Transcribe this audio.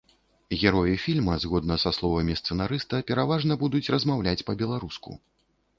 Героі фільма, згодна са словамі сцэнарыста, пераважна будуць размаўляць па-беларуску.